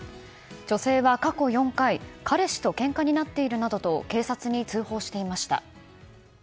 女性は過去４回彼氏とけんかになっているなどと警察に通報していました。